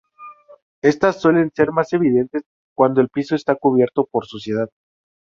Estas suelen ser más evidentes cuando el piso está cubierto por suciedad.